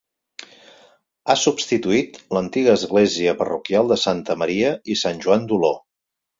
Ha substituït l'antiga església parroquial de Santa Maria i Sant Joan d'Oló.